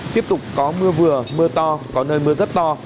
tiếp tục có mưa vừa mưa to có nơi mưa rất to